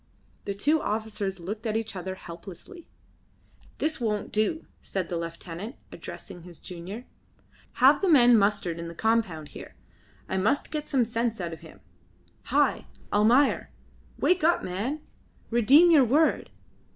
The two officers looked at each other helplessly. "This won't do," said the lieutenant, addressing his junior. "Have the men mustered in the compound here. I must get some sense out of him. Hi! Almayer! Wake up, man. Redeem your word.